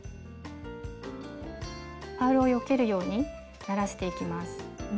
パールをよけるようにならしていきます。